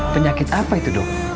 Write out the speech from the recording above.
penyakit apa itu dok